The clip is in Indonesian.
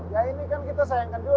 ya ini kan kita sayangkan juga